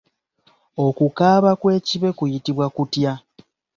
Okukaaba kw'ekibe kuyitibwa kutya?